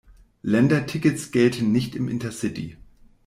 Ländertickets gelten nicht im Intercity.